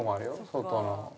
外の。